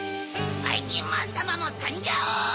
ばいきんまんさまもさんじょう！